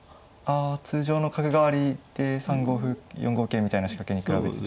あ通常の角換わりで３五歩４五桂みたいな仕掛けに比べて。